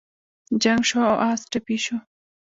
جنګ شو او اس ټپي شو.